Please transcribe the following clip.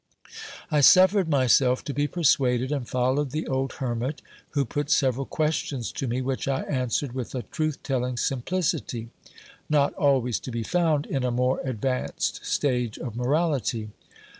I suffered myself to be persuaded, and followed the old hermit who put several questions to me, which I answered with a truth telling simplicity, not always to be found in a more advanced stage of morality.